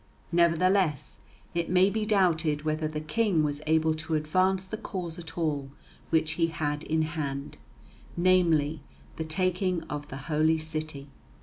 Nevertheless it may be doubted whether the King was able to advance the cause at all which he had in hand, namely, the taking of the Holy City.